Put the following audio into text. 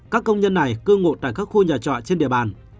các công nhân này cư ngụ tại các khu nhà trọ trên địa bàn